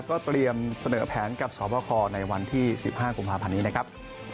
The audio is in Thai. ก็เตรียมเสนอแผนกับสวบคในวันที่๑๕กุมภาพันธ์นี้นะครับ